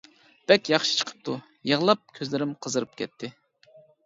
بەك ياخشى چىقىپتۇ. يىغلاپ كۆزلىرىم قىزىپ كەتتى.